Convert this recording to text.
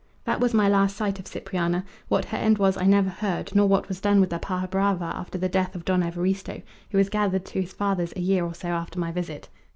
That was my last sight of Cipriana; what her end was I never heard, nor what was done with the Paja Brava after the death of Don Evaristo, who was gathered to his fathers a year or so after my visit.